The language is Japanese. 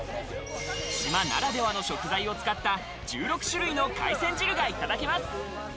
島ならではの食材を使った１６種類の海鮮汁がいただけます。